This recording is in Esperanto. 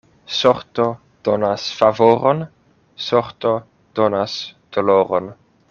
Sorto donas favoron, sorto donas doloron.